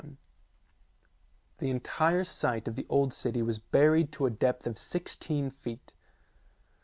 The entire site of the old city was buried to the depth of sixteen feet.